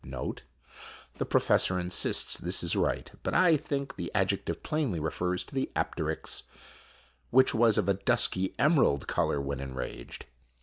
[NOTE : The professor insists this is right, but I think the ad jective plainly refers to the apteryx, which was of a dusky emerald color when enraged.